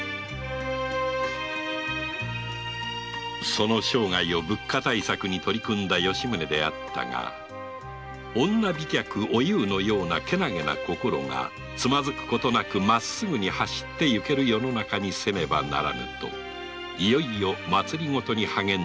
その生涯を物価対策に取り組んだ吉宗であったが女飛脚おゆうのような健気な心がつまずくことなくまっすぐに走っていける世の中にせねばならぬといよいよ政に励んだのであった